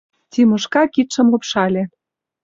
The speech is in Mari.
Тимошка кидшым лупшале.